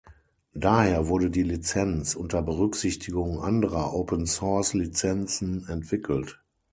Daher wurde die Lizenz unter Berücksichtigung anderer Open-Source-Lizenzen entwickelt.